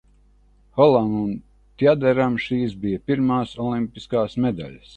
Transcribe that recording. Holam un Tjaderam šīs bija pirmās olimpiskās medaļas.